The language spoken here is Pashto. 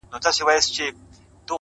په تا هيـــــڅ خــــبر نـــه يــــم ـ